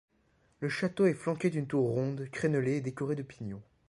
Le château est flanqué d'une tour ronde crénelée et décoré de pignons.